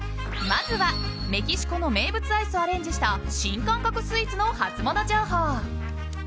まずはメキシコ名物アイスをアレンジした新感覚スイーツのハツモノ情報。